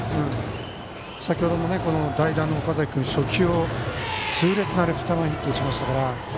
先程の代打の岡崎君は、初球を痛烈なレフト前ヒットを打ちましたから。